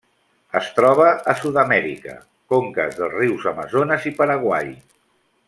Es troba a Sud-amèrica: conques dels rius Amazones i Paraguai.